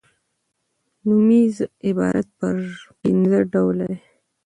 نومیز عبارت پر پنځه ډوله دئ.